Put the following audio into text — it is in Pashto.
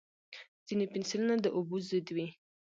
ځینې پنسلونه د اوبو ضد وي.